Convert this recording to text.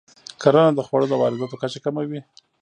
کرنه د خوړو د وارداتو کچه کموي.